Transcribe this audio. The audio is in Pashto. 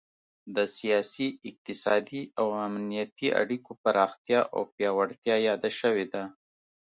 د سیاسي، اقتصادي او امنیتي اړیکو پراختیا او پیاوړتیا یاده شوې ده